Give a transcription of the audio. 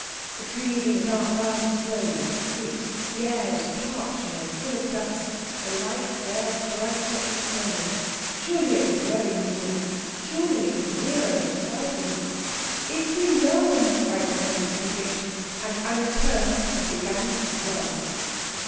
The trees in the dark garden swayed and creaked, the air was parching and full of dust, the light glared brighter each moment. Surely it was very near? Surely it was nearer than Stralsund? "It's in Lohm," cried someone with conviction; and Anna turned and began to run.